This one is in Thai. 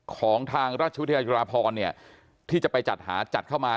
ของทางราชวิทยาจุฬาพรเนี่ยที่จะไปจัดหาจัดเข้ามา